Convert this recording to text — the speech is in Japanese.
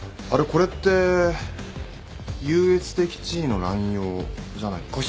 これって優越的地位の濫用じゃないですか？